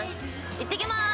いってきまーす。